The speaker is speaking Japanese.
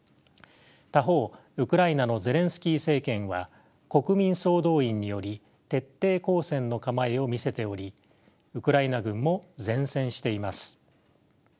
他方ウクライナのゼレンスキー政権は国民総動員により徹底抗戦の構えを見せておりウクライナ軍も善戦しています。